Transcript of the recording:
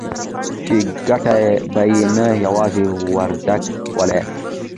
چې گټه به يې نه يوازې وردگ ولايت